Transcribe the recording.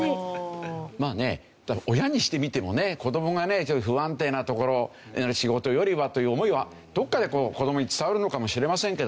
まあねただ親にしてみてもね子どもがねそういう不安定なところの仕事よりはという思いはどこかで子どもに伝わるのかもしれませんけど。